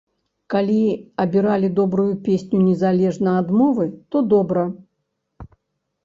Калі абіралі добрую песню, незалежна ад мовы, то добра.